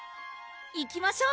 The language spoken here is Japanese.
行きましょう！